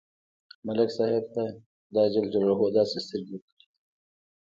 ملک صاحب ته خدای داسې سترګې ورکړې دي،